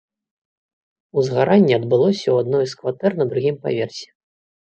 Узгаранне адбылося ў адной з кватэр на другім паверсе.